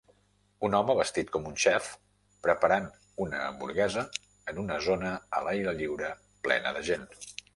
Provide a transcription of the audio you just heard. Un home vestit com un xef preparant una hamburguesa en una zona a l'aire lliure plena de gent.